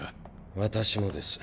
私もです。